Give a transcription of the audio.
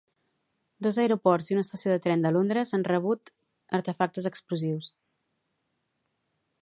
Dos aeroports i una estació de tren de Londres han rebuts artefactes explosius.